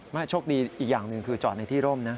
โชคดีอีกอย่างหนึ่งคือจอดในที่ร่มนะ